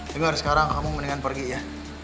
dengar sekarang kamu mendingan pergi ya